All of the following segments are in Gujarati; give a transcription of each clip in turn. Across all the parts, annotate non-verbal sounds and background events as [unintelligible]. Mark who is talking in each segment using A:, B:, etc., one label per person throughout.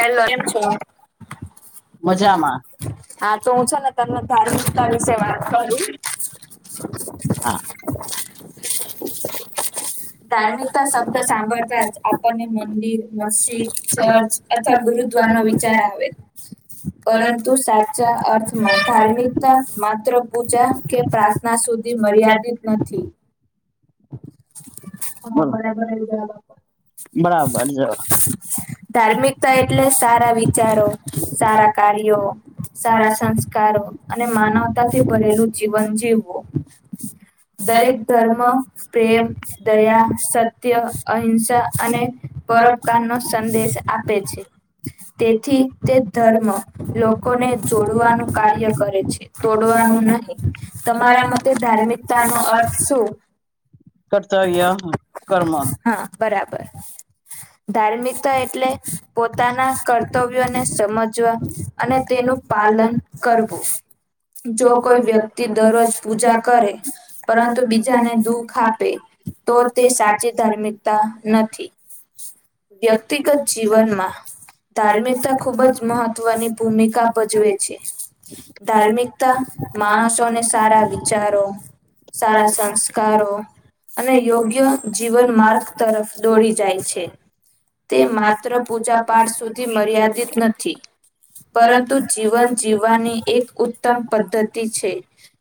A: હલો કેમ છો
B: મજામાં હા તો હું છે ને તમને ધાર્મિકતા વિશે વાત કરું [inaudible] ધાર્મિકતા શબ્દ સાંભળતા જ આપણને મંદિર મસ્જિદ ચર્ચ તથ ગુરુદ્વાર નો વિચાર આવે પરંતુ સાચા અર્થમાં ધાર્મિકતા માત્ર પૂજા કે પ્રાર્થના સુધી મર્યાદિત નથી
A: બરાબર જ
B: એટલે સારા વિચારો સારા કાર્યો સારા સંસ્કારો અને માનવતાથી ભરેલું જીવન જીવવું દરેક ધર્મ પ્રેમ સત્ય અહિંસા અને પરપકાર નો સંદેશ આપે છે તેથી તે ધર્મ લોકોને જોડવાનું કાર્ય કરે છે તોડવાનું નહી તમારા મતે ધાર્મિકતા નો અર્થ શું હા બરાબર ધાર્મિકતા એટલે પોતાના કર્તવ્યોને સમજવા અને તેનું પાલન કરવું જો કોઈ વ્યક્તિ દરરોજ પૂજા કરે પરંતુ બીજાને દુઃખ આપે તો તે સાચી ધાર્મિકતા નથી વ્યક્તિગત જીવનમાં ધાર્મિકતા ખૂબ જ મહત્વની ભૂમિકા ભજવે છે ધાર્મિકતા માણસોને સારા વિચારો સારા સંસ્કારો અને યોગ્ય જીવન માર્ગ તરફ દોડી જાય છે તે માત્ર માત્ર પૂજા પાઠ સુધી મર્યાદિત નથી પરંતુ જીવન જીવવાની એક ઉત્તમ પદ્ધતિ છે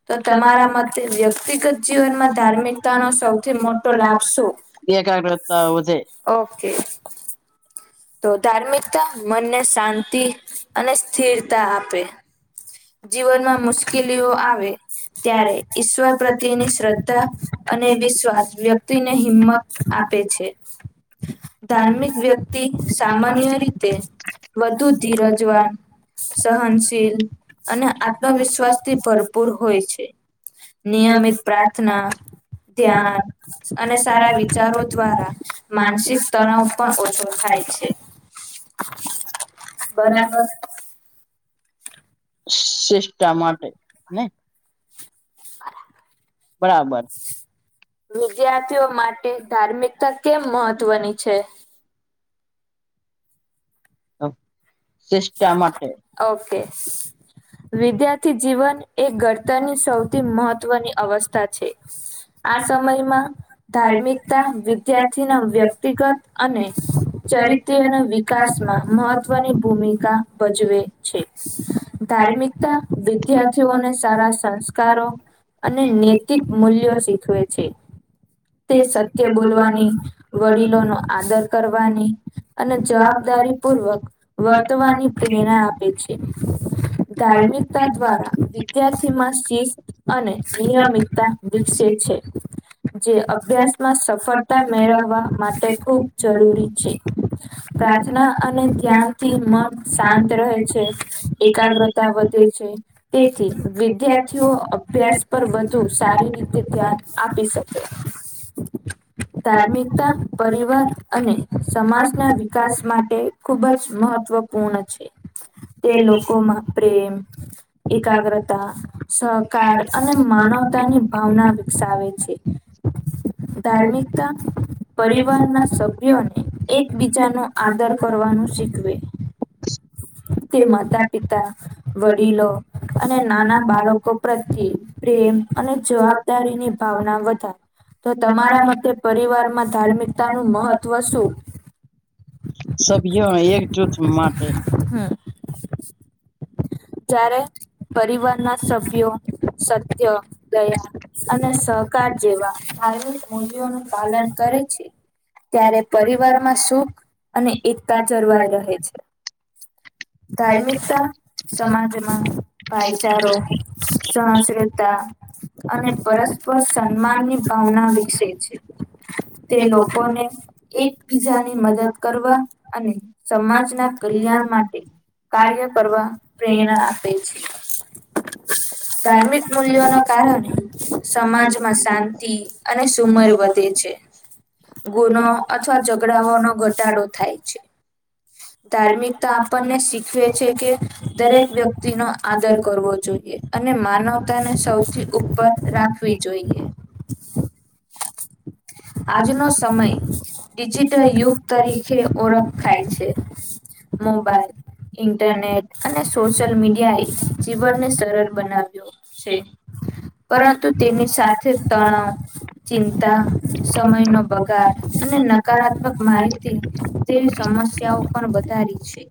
B: તો તમારા માટે વ્યક્તિગત જીવનમાં ધાર્મિકતાનો સૌથી મોટો લાભ શું
A: બે કાગળતા આવજે
B: [inaudible] તો ધાર્મિકતા મનને શાંતિ અને સ્થિરતા આપે જીવનમાં મુશ્કેલીઓ આવે ત્યારે ઈશ્વર પ્રત્યેની શ્રદ્ધા અને વિશ્વાસ વ્યક્તિને હિંમત આપે આપે છે ધાર્મિક વ્યક્તિ સામાન્ય રીતે વધુ ધીરજવાન સહનશીલ અને આત્મવિશ્વાસ થી ભરપૂર હોય છે, નિયમિત પ્રાર્થના ધ્યાન અને સારા વિચારો દ્વારા માનસિક તણાવ પણ ઓછો થાય છે, બરાબર.
A: ચેષ્ટા માટે ને
B: હ
A: બરાબર.
B: વિદ્યાર્થીઓ માટે ધાર્મિકતા કેમ મહત્વની છે.
A: શિષ્ટા માટે
B: વિદ્યાર્થી જીવન એ ઘડતરની સૌથી મહત્વની અવસ્થા છે. આ સમયમાં ધાર્મિકતા, વિદ્યાર્થીના વ્યક્તિગત અને ચરિત્ર અને વિકાસમાં મહત્વની ભૂમિકા ભજવે છે. ધાર્મિકતા વિદ્યાર્થીઓને સારા સંસ્કારો અને નૈતિક મૂલ્યો શીખવે છે. તે સત્ય બોલવાની વડીલો ન આદર કરવાની અને જવાબદારી પૂર્વક વર્તવાની પ્રેરણા આપે છે. ધાર્મિકતા દ્વારા વિદ્યાર્થીમાં શિસ્ત અને સંયમિતતા વિકસિત છે. જે અભ્યાસમાં સફળતા મેળવવા માટે ખૂબ જરૂરી છે. પ્રાર્થના અને ધ્યાન થી મન શાંત રહે છે. એકાગ્રતા વધે છે, તેથી વિદ્યાર્થીઓ અભ્યાસ પર વધુ સારી રીત ધ્યાન આપી શકે. ધાર્મિકતા પરિવાર અને સમાજના વિકાસ માટે ખૂબ જ મહત્ત્ મહત્વપૂર્ણ છે, તે લોકોમાં પ્રેમ એકાગ્રતા, સહકાર અને માનવતાની ભાવના વિકસાવે છે. ધારમિકતા પરિવારના સભ્યોને એકબીજા નો આદર કરવાનું શીખવે.
A: તે મોટા થતા ગરીબો અને નાના બાળકો જવાબ [unintelligible] તમારા મતે પરિવાર નું મહત્વ છે. સભ્યો એક જૂથ માટે
B: હમ્મ જ્યારે પરિવાર ના સભ્યો સત્ય, દયા અને સહકાર જેવા ધાર્મિક મૂલ્યોનું પાલન કરે ત્યારે પરિવારમાં સુખ અને એકતા જળવાય રહે છે ધાર્મિકતા સમાજમાં ભાઈચારો સહશ્રદ્ધા અને પરસ્પર સન્માનની ભાવના વિકસે છે. તે લોકોને એકબીજાની મદદ કરવા અને સમાજના કલ્યાણ માટે કાર્ય કરવા પ્રેરણા આપે છે. ધાર્મિક મૂલ્યો ના કારણે સમાજમાં શાંતિ અને સુમર વધે છે. ગુનો અથવા ઝઘડાઓનો ઘટાડો થાય છે. ધાર્મિકતા આપણને શીખવે છે કે દરેક વ્યક્તિ નો આદર કરવો જોઈએ. અને માનવતાને સૌથી ઉપર રાખવી જોઈએ. [inaudible] આજનો સમય ડિજિટલ યુગ તરીકે ઓળખ થાય છે. મોબાઈલ, ઇન્ટરનેટ અને સોશિયલ મીડિયા એ જીવનને સરળ બનાવ્યું. છે પરંતુ તેની સાથે તણાવ ચિંતા, સમય નો બગાડ અને નકારાત્મક માહિતી. તેવી સમસ્યાઓ પણ વધારી છે.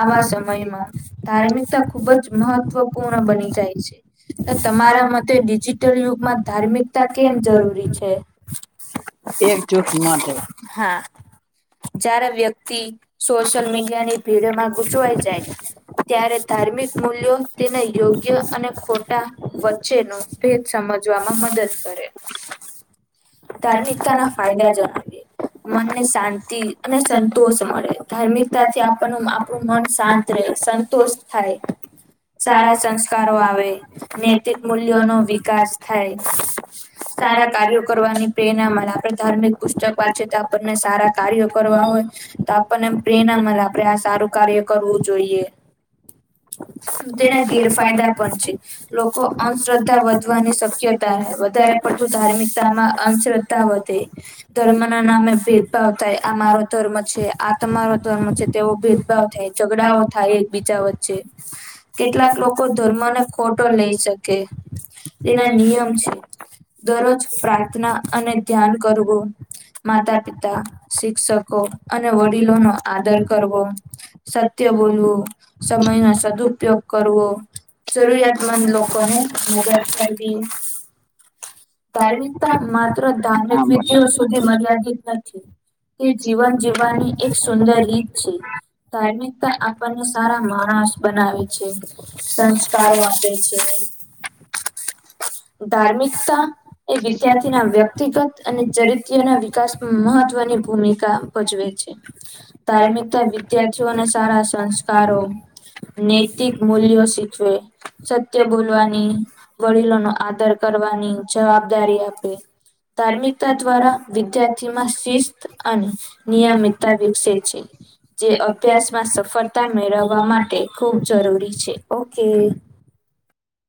B: આવા સમયમાં ધાર્મિકતા ખુબ જ મહત્વપૂર્ણ બની જાય છે. તો તમારા મતે ડિજિટલ યુગમાં ધાર્મિકતા કેમ જરૂરી છે.
A: એક જૂથ માટે.
B: જ્યારે વ્યક્તિ સોશિયલ મીડિયા ની ભીડમાં ગુસવાઈ જાય ત્યારે ધાર્મિક મૂલ્યો તેને યોગ્ય યોગ્ય અને ખોટા વચ્ચેનો ભેદ સમજવામાં મદદ કરે ધાર્મિકતાના ફાયદા જ મનને શાંતિ અને સંતોષ મળે ધાર્મિકતા થી આપ આપણું મન શાંત રહે સંતોષ થાય [inaudible] સારા સંસ્કારો આવે નૈતિક મૂલ્યો ન વિકાસ થાય સારા કાર્યો કરવાની પ્રેરણા મળે આપણે ધાર્મિક પુસ્તક વાંચી તો આપણને સારા કાર્ય કરવા હોય તો આપણને એમ પ્રેરણા મળે આપડે આ સારું કાર્ય કરવું જોઈએ [inaudible] તેના ગેરફાયદા પણ છે લોકો અંધશ્રદ્ધા વધવાની શક્યતા રહે વધારે ધાર્મિકતામાં અશ્રદ્ધા વધે ધર્મ ના નામે ભદ્ ભે ભાવ થાય આ મારો ધર્મ છે આ તમારો ધર્મ છે તેવો ભેદભાવ થાય ઝઘડાઓ થાય એક બીજા ચચે કેટલાક લોકો ધર્મને ખોટો લઈ શકે. તેના નિયમ છે. દરરોજ પ્રાર્થના અને ધ્યાન કરવું માતા પિતા શિક્ષકો અને વડીલો નો આદર કરવો સત્ય બોલવો સમય ન સદુપયોગ કરવો જરૂરિયાતમંદ લોકોને મદદ કરવી ધાર્મિકતા માત્ર ધાર્મિક વિધિઓ સુધી મર્યાદિત નથી. તે જીવન જીવવાની એક સુંદર રીત છે. ધાર્મિકતા આપણને સારા માણસ બનાવે છે સંસ્કારો આપે છે. [inaudible]
A: ધાર્મિકતા એ વિદ્યાર્થી ના વ્યક્તિગત અને ચરિત્રના હ [unintelligible] હા [unintelligible]
B: નૈતિક મૂલ્યો શીખવે સત્ય બોલવાની વડીલોનો કરવાની જવાબદારી આપે ધાર્મિકતા દ્વારા વિદાયા શિસ્ત અને નિયમિતતા વિકસે છે. જે અભ્યાસમાં સફળતા મેળવવા માટે ખૂબ જરૂરી છે ઓકે [inaudible]